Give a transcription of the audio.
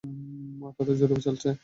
ওটা তো জোরে চলছে।